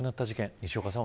西岡さん